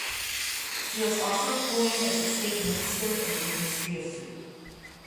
He was also appointed as the state minister of the Ministry of Food.